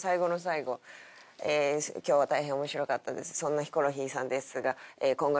そんなヒコロヒーさんですが」。